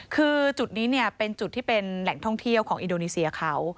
คือจุดนี้เป็นจุดที่เป็นแหล่งท่องเที่ยวของอินโดนีเซียเขา